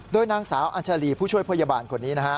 โดยนางสาวอัญชาลีผู้ช่วยพยาบาลคนนี้นะฮะ